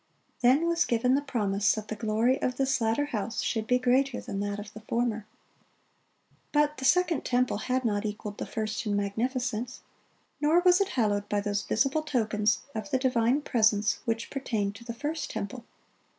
(27) Then was given the promise that the glory of this latter house should be greater than that of the former. But the second temple had not equaled the first in magnificence; nor was it hallowed by those visible tokens of the divine presence which pertained to the first temple.